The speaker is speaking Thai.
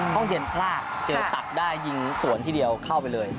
ห้องเย็นพลาดเจอตับได้ยิงสวนทีเดียวเข้าไปเลย